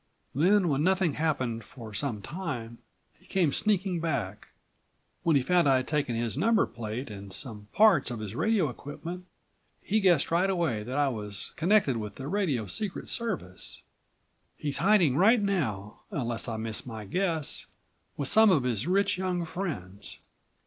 Then, when nothing happened for some time, he came sneaking back. When he found I'd taken his number plate and some parts of his radio equipment, he guessed right away that I was connected with the radio secret service. He's hiding right now, unless I miss my guess, with some of his rich young friends.